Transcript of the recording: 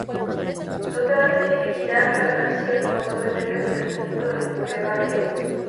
Los pedales tienen que girar, la tracción del motor depende del rendimiento del pedaleo.